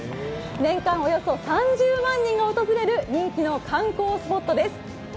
年間およそ３０万人が訪れる人気の観光スポットです。